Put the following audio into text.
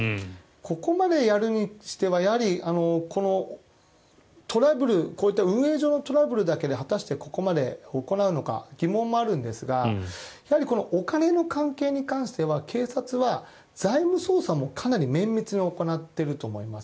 ここまでやるにしてはこういった運営上のトラブルだけで果たして、ここまで行うのか疑問もあるんですがやはりお金の関係に関しては警察は財務捜査も、かなり綿密に行っていると思います。